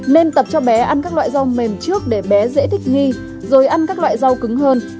nên tập cho bé ăn các loại rau mềm trước để bé dễ thích nghi rồi ăn các loại rau cứng hơn